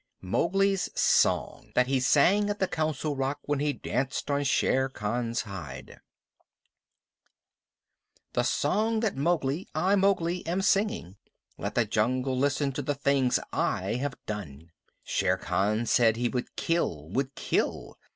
Mowgli's Song THAT HE SANG AT THE COUNCIL ROCK WHEN HE DANCED ON SHERE KHAN'S HIDE The Song of Mowgli I, Mowgli, am singing. Let the jungle listen to the things I have done. Shere Khan said he would kill would kill!